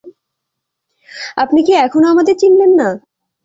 আপনি কি এখনো আমাদের চিনলেন না?